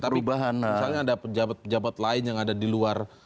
tapi misalnya ada pejabat pejabat lain yang ada di luar